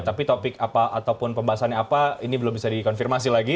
tapi topik apa ataupun pembahasannya apa ini belum bisa dikonfirmasi lagi